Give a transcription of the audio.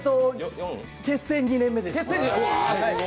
結成２年目です。